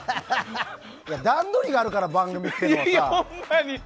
段取りがあるから番組ってさ。